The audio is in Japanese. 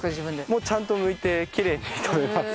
もうちゃんとむいてきれいに食べます。